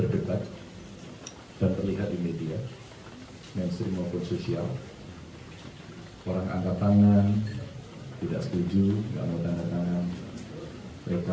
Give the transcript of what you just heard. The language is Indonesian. kita cerita berapa sebenarnya perbedaan negeri